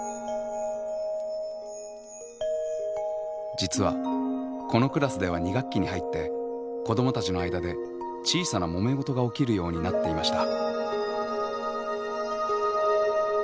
実はこのクラスでは２学期に入って子どもたちの間で小さなもめ事が起きるようになっていました。